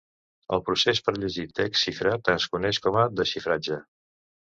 El procés per llegir text xifrat es coneix com a desxifratge.